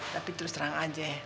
tapi terus terang aja